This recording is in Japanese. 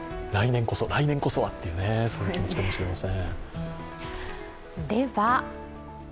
来年こそはという気持ちかも知れません。